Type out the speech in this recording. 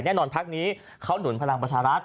แน่นอนทักนี้เขานุ่นพลังประชาลักษณ์